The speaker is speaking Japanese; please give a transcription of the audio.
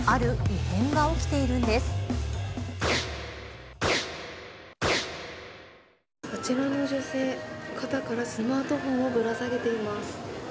あちらの女性、肩からスマートフォンをぶら下げています。